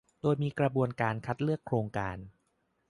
โดยมีกระบวนการคัดเลือกโครงการ